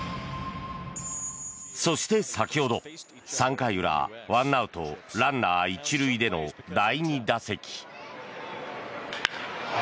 そして先ほど３回裏１アウトランナー１塁での打席。